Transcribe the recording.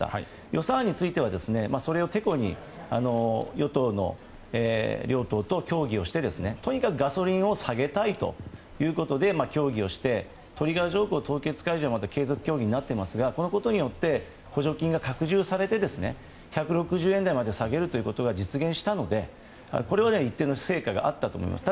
予算案についてはそれをてこに与党の両党と協議をしてとにかくガソリンを下げたいということで協議をしてトリガー条項凍結解除が継続協議になっていますがこのことによって補助金が拡充されて１６０円台まで下げることが実現したのでこれは一定の成果があったと思います。